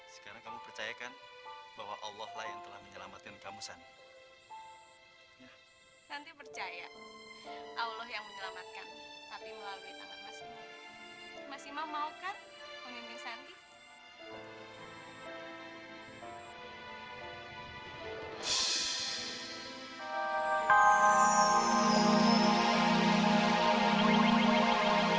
sampai jumpa di video selanjutnya